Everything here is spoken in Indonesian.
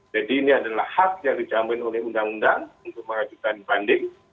jadi ini adalah hak yang dijamin oleh undang undang untuk mengajukan banding